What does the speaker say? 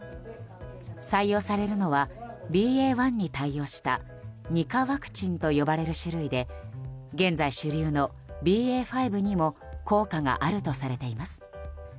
採用されるのはＢＡ．１に対応した２価ワクチンと呼ばれる種類で現在主流のＢＡ．５にも効果があるとされています。